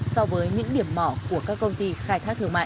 so với những điểm mỏ của các công ty khai thác thương mại